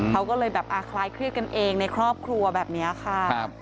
เขาก็เลยแบบคล้ายเครียดกันเองในครอบครัวแบบนี้ค่ะ